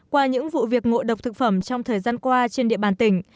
qua những vụ việc ngộ độc thực phẩm trong thời gian qua trên địa bàn tỉnh